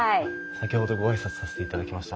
先ほどご挨拶させていただきました。